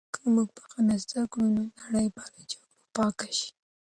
که موږ بښنه زده کړو، نو نړۍ به له جګړو پاکه شي.